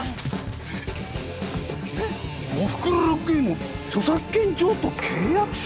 『おふくろロックユー』の著作権譲渡契約書！？